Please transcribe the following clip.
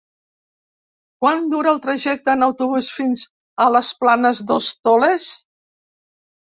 Quant dura el trajecte en autobús fins a les Planes d'Hostoles?